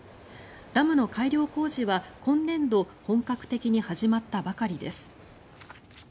ダムの改良工事は今年度本格的に始まったばかりです。